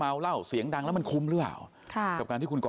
เหล้าเสียงดังแล้วมันคุ้มหรือเปล่าค่ะกับการที่คุณก่อ